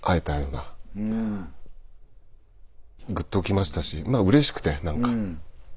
ぐっときましたしうれしくて何か。